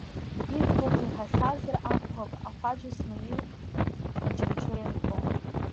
Иӡбахә уаҳахьазар акәхап ахәаџьа Смаил, Очамчыра инхо.